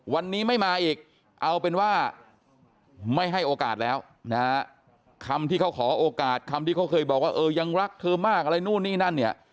วันนี้ไม่มาอีกเอาเป็นว่าไม่ให้โอกาสแล้วนะฮะคำที่เขาขอโอกาสคำที่เขาเคยบอกว่าเออยังรักเธอมากอะไรนู่นนี่นั่นเนี่ย